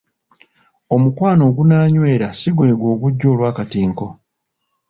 Omukwano ogunaanywera si gwegwo ogujja olw'akatinko.